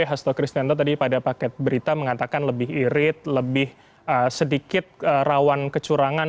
hasto kristianto tadi pada paket berita mengatakan lebih irit lebih sedikit rawan kecurangan